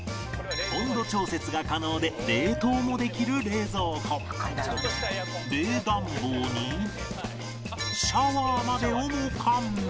温度調節が可能で冷凍もできる冷蔵庫冷暖房にシャワーまでをも完備